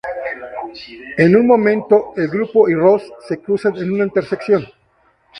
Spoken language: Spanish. En un momento, el grupo y Rose se cruzan en una intersección.